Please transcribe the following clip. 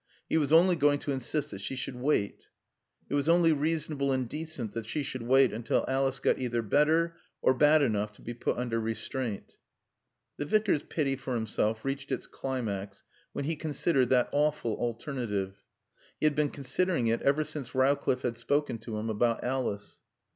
He was only going to insist that she should wait. It was only reasonable and decent that she should wait until Alice got either better or bad enough to be put under restraint. The Vicar's pity for himself reached its climax when he considered that awful alternative. He had been considering it ever since Rowcliffe had spoken to him about Alice.